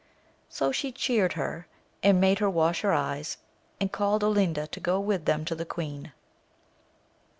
So she cheared her, and made her wash her eyes, and called Olinda to go with them to the queen.